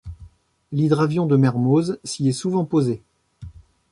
L'hydravion de Mermoz s'y est souvent posé.